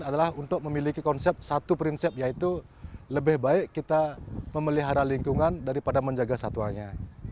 adalah untuk memiliki konsep satu prinsip yaitu lebih baik kita memelihara lingkungan daripada menjaga satwanya